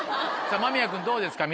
間宮君どうですか？